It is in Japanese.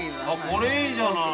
◆これいいじゃない。